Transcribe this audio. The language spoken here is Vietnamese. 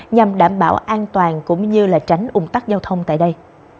nhằm đảm bảo an toàn cũng như tránh ủng tắc giao thông tại đây